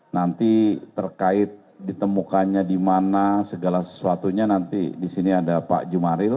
nanti terkait ditemukannya di mana segala sesuatunya nanti di sini ada pak jumaril